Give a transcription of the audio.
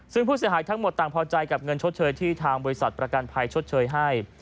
ซึ่งผู้เสียหายทั้งหมดต่างพอใจกับเงินชดเชยที่ทางบริษัทประกันภัยชดเชยให้